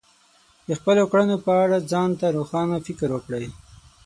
د خپلو کړنو په اړه ځان ته روښانه فکر وکړئ.